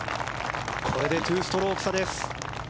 これで２ストローク差です。